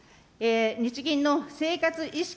日銀の生活意識